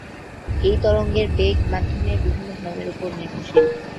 এই তরঙ্গের বেগ মাধ্যমের বিভিন্ন ধর্মের উপর নির্ভরশীল।